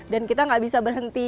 dan kita tidak bisa berhenti